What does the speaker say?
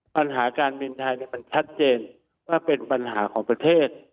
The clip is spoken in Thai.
ปัญหาการบินไทยมันชัดเจนว่าเป็นปัญหาของประเทศ